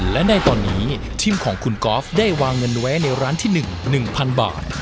และในตอนนี้ทีมของคุณกอล์ฟได้วางเงินไว้ในร้านที่๑๑๐๐๐บาท